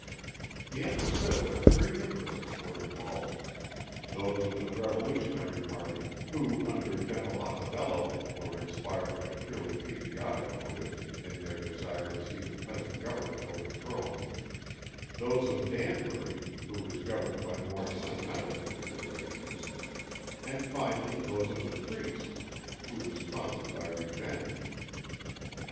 He understood that three interests were involved; those of the Revolutionary party, who under General Otaballo were inspired by purely patriotic motives in their desire to see the present government overthrown; those of Danbury, who was governed by more sentimental considerations, and, finally, those of the priest, who was prompted by revenge.